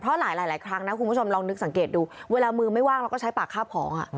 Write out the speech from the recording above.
เพราะหลายครั้งนะคุณผู้ชมลองนึกสังเกตดูเวลามือไม่ว่างเราก็ใช้ปากคาบของ